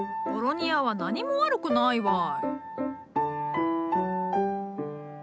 ボロニアは何も悪くないわい。